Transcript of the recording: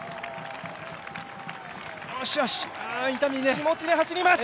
気持ちで走ります。